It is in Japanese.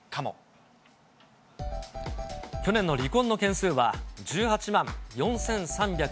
去年の離婚の件数は、１８万４３８６組。